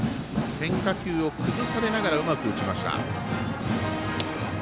変化球を崩されながらうまく打ちました。